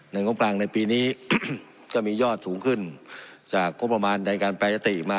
งบกลางในปีนี้ก็มียอดสูงขึ้นจากงบประมาณในการแปรยติมา